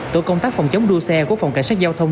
tổ công tác phòng chống đua xe của phòng cảnh sát giao thông